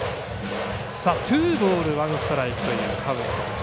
ツーボール、ワンストライクというカウントです。